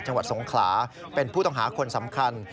จังหวัดสงขลาเป็นผู้ต้องหาคนสำคัญ